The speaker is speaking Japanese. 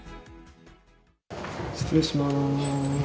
失礼します。